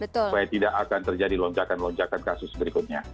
supaya tidak akan terjadi lonjakan lonjakan kasus berikutnya